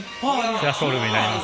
こちらショールームになります。